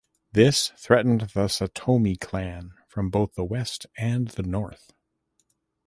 This threatened the Satomi clan from both the west and the north.